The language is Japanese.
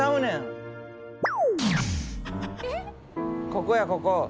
ここやここ。